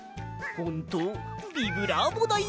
「ほんとビブラーボだよ」。